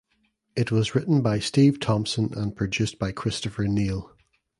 It was written by Steve Thompson and produced by Christopher Neil.